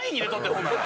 ほんなら。